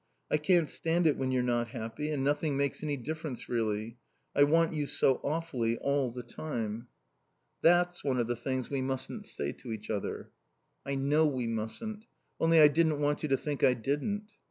I can't stand it when you're not happy. And nothing makes any difference, really. I want you so awfully all the time." "That's one of the things we mustn't say to each other." "I know we mustn't. Only I didn't want you to think I didn't."